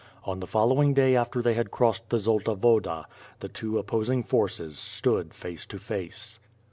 On the following day after they had crossed the Zolta Woda, the two o])posing forces stood face to face.